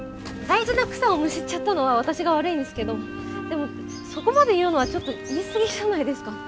大事な草をむしっちゃったのは私が悪いんですけどでもそこまで言うのはちょっと言い過ぎじゃないですか。